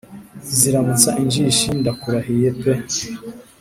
iziramutsa injishi ndakurahiye pe